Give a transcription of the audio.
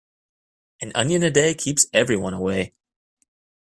An onion a day keeps everyone away.